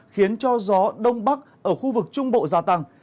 khiến cho gió đông bắc ở khu vực trung bộ gia tăng